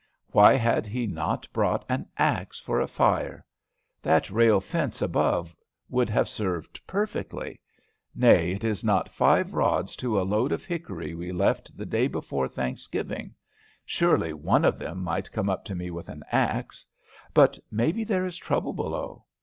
Why had he not brought an axe for a fire? "That rail fence above would have served perfectly, nay, it is not five rods to a load of hickory we left the day before Thanksgiving. Surely one of them might come up to me with an axe. But maybe there is trouble below.